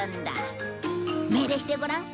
命令してごらん。